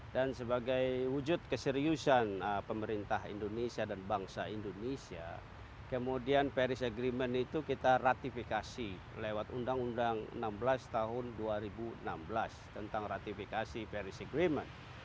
dan sebagai wujud keseriusan pemerintah indonesia dan bangsa indonesia kemudian paris agreement itu kita ratifikasi lewat undang undang enam belas tahun dua ribu enam belas tentang ratifikasi paris agreement